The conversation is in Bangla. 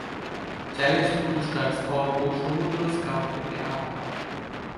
চ্যালেঞ্জ পুরস্কার স্থল ও সমুদ্র স্কাউট থেকে আলাদা।